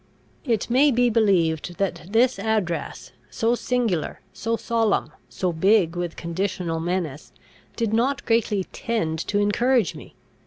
It may be believed that this address, so singular, so solemn, so big with conditional menace, did not greatly tend to encourage me.